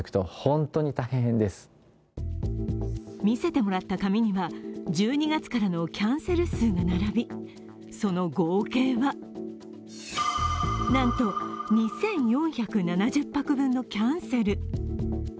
見せてもらった紙には、１２月からのキャンセル数が並びその合計は、なんと２４７０泊分のキャンセル。